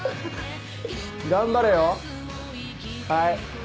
頑張れよはい。